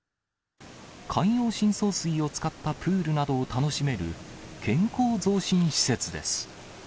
海洋深層水を使ったプールなどを楽しめる健康増進施設です。